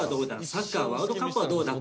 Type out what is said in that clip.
サッカーワールドカップはどうだ？と。